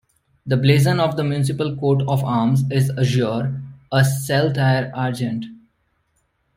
The blazon of the municipal coat of arms is Azure, a saltire Argent.